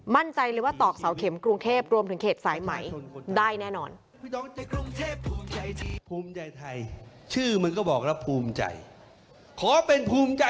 มั่นใจเลยว่าตอกเสาเข็มกรุงเทพรวมถึงเขตสายใหม่ได้แน่นอน